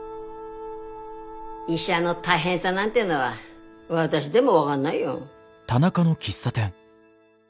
医者の大変さなんてのは私でも分がんないよ。